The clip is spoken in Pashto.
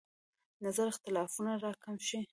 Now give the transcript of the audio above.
نظر اختلافونه راکم شي.